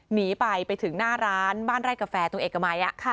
หนีไปไปถึงหน้าร้านบ้านไร่กาแฟตรงเอกมัย